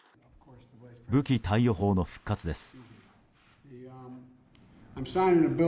武器貸与法の復活です。